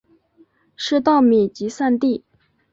是稻米集散地。